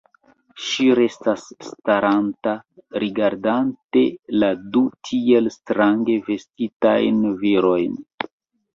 Ŝi restas staranta, rigardante la du tiel strange vestitajn virojn.